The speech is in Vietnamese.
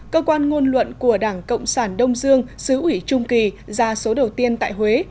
cơ quan ngôn luận của đảng cộng sản đông dương xứ ủy trung kỳ ra số đầu tiên tại huế